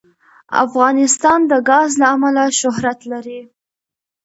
افغانستان د ګاز له امله شهرت لري.